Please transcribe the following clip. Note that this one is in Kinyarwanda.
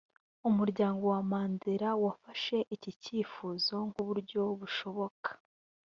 umuryango wa Mandela wafashe iki cyifuzo nk’uburyo bushoboka